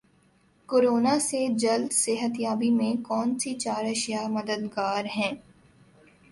corona سے جلد صحت یابی میں کون سی چار اشیا مددگار ہیں